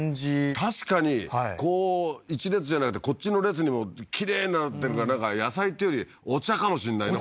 確かにこう１列じゃなくてこっちの列にもきれいになってるからなんか野菜っていうよりお茶かもしんないね